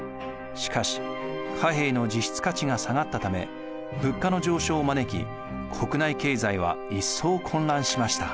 しかし貨幣の実質価値が下がったため物価の上昇をまねき国内経済は一層混乱しました。